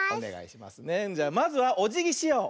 じゃまずはおじぎしよう。